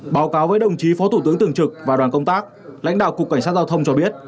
báo cáo với đồng chí phó thủ tướng tường trực và đoàn công tác lãnh đạo cục cảnh sát giao thông cho biết